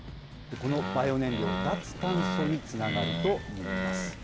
このバイオ燃料、脱炭素につながるといいます。